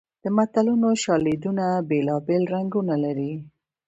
د متلونو شالیدونه بېلابېل رنګونه لري